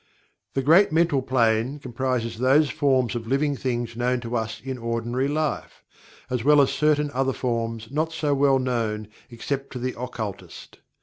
The Great Mental Plane comprises those forms of "living things" known to us in ordinary life, as well as certain other forms not so well known except to the occultist.